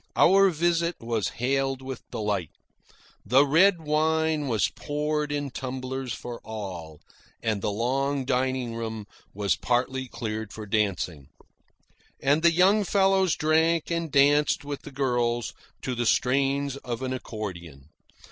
Our visit was hailed with delight. The red wine was poured in tumblers for all, and the long dining room was partly cleared for dancing. And the young fellows drank and danced with the girls to the strains of an accordion.